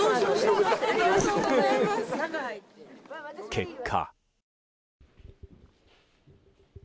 結果。